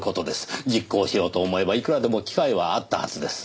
実行しようと思えばいくらでも機会はあったはずです。